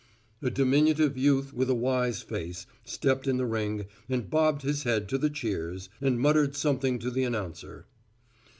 A diminutive youth with a wise face stepped in the ring and bobbed his head to the cheers, and muttered something to the announcer.